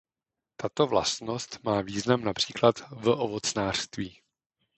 Tato vlastnost má význam například v ovocnářství.